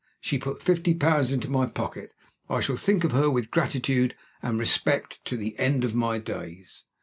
She put fifty pounds into my pocket. I shall think of her with gratitude and respect to the end of my days.